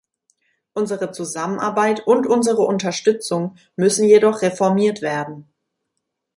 Unsere Zusammenarbeit und unsere Unterstützung müssen jedoch reformiert werden.